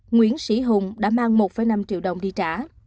nguyễn sĩ hùng đã mang một năm triệu đồng đi trả